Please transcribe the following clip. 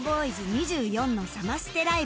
２４のサマステライブ